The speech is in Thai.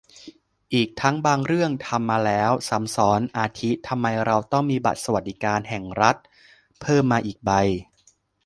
อีกทั้งบางเรื่องทำมาแล้ว ซ้ำซ้อน อาทิ ทำไมเราต้องมีบัตรสวัสดิการแห่งรัฐ เพิ่มมาอีกใบ